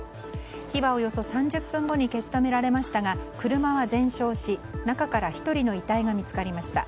火はおよそ３０分後に消し止められましたが車は全焼し、中から１人の遺体が見つかりました。